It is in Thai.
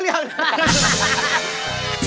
อ๋อเดี๋ยวขอ